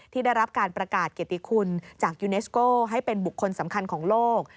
ได้รับการประกาศเกติคุณจากยูเนสโก้ให้เป็นบุคคลสำคัญของโลก